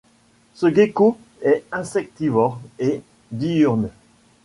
Ce gecko est insectivore et diurne.